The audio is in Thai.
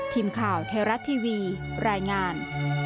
ทีมข่าวไทยรัฐทีวีรายงาน